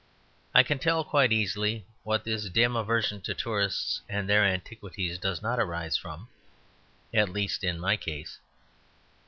I can tell quite easily what this dim aversion to tourists and their antiquities does not arise from at least, in my case.